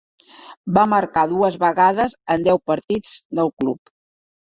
Va marcar dues vegades en deu partits del club.